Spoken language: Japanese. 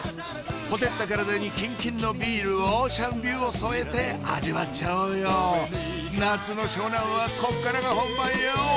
火照った体にキンキンのビールオーシャンビューを添えて味わっちゃおうよ夏の湘南はこっからが本番よ！